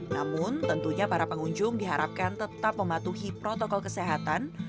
namun tentunya para pengunjung diharapkan tetap mematuhi protokol kesehatan